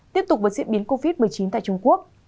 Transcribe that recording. tiếp tục với diễn biến covid một mươi chín tại trung quốc